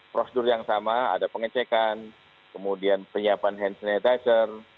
prosedur yang sama ada pengecekan kemudian penyiapan hand sanitizer